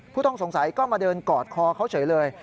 ผู้ต้องสงสัยก็มาเดินกอดคอเขาเฉยเลย